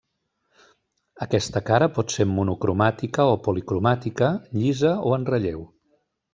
Aquesta cara pot ser monocromàtica o policromàtica, llisa o en relleu.